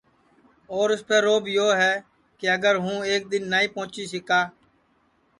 اور اُسپے روب یو ہے کہ اگر ہوں ایک دؔن نائی پونچی سِکا